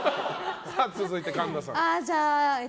続いて、神田さん。